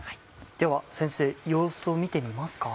では先生様子を見てみますか？